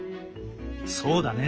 そうだね。